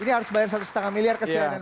ini harus bayar satu lima miliar kesianan